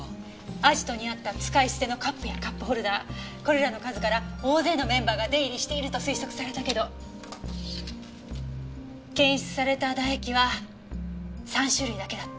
アジトにあった使い捨てのカップやカップホルダーこれらの数から大勢のメンバーが出入りしていると推測されたけど検出された唾液は３種類だけだった。